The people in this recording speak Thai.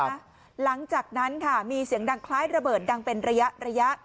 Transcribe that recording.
หลังจากนั้นค่ะมีเสียงดังคล้ายระเบิดดังเป็นระยะระยะ